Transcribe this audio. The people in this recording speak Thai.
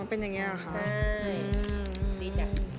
อันนี้๑๒